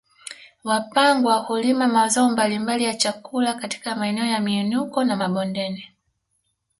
Wapangwa hulima mazao mbalimbali ya chakula katika maeneo ya miinuko na mabondeni